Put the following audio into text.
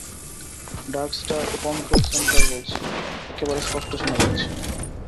Darkstar, control centre বলছি, একেবারে স্পষ্ট শোনা যাচ্ছে।